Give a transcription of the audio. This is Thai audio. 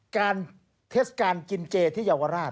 เทศกาลกินเจที่เยาวราช